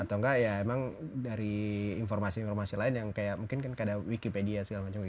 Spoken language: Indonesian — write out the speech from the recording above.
atau enggak ya emang dari informasi informasi lain yang kayak mungkin kan kayak ada wikipedia segala macam